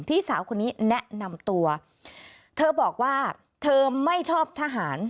พี่สาวคนนี้แนะนำตัวเธอบอกว่าเธอไม่ชอบทหาร